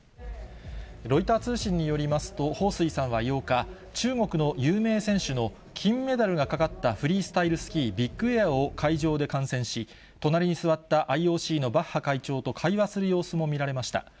ロイター通信によりますと、彭帥さんは８日、中国の有名選手の金メダルがかかったフリースタイルスキービッグエアを会場で観戦し、隣に座ったＩＯＣのバッハ会長と会話する様子も見られました。